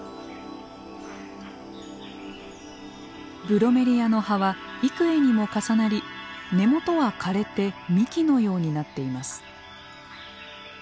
ブロメリアの葉は幾重にも重なり根元は枯れて幹のようになっています。